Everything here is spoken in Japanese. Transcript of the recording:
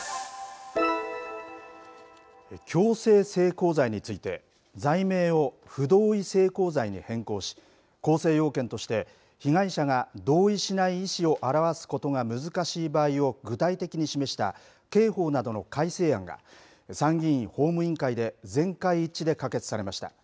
強制性交罪について罪名を不同意性交罪に変更し構成要件として被害者が同意しない意思を表すことが難しい場合を具体的に示した刑法などの改正案が参議院法務委員会で全会一致で可決されました。